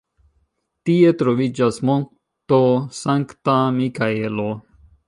Tie troviĝas Monto Sankta Mikaelo.